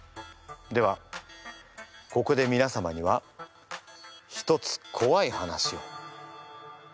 ではここでみなさまにはひとつこわい話を。